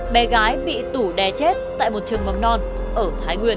bé gái bị tủ đè chết tại một trường mầm non ở thái nguyên